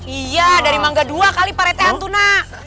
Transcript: iya dari mangga dua kali parete antuna